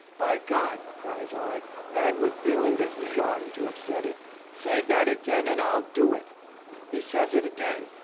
"By God!" cries I, mad with feeling that he oughtn't to have said it, "say that again, and I'll do it." He says it again.'